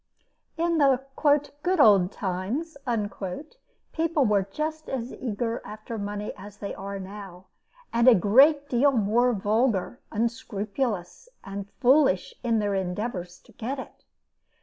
In the "good old times," people were just as eager after money as they are now; and a great deal more vulgar, unscrupulous, and foolish in their endeavors to get it.